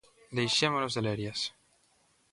_Deixémonos de lerias.